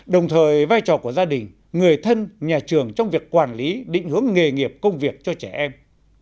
đồng thời vai trò của gia đình người thân nhà trường trong việc quản lý định hướng nghề nghiệp công việc cho trẻ em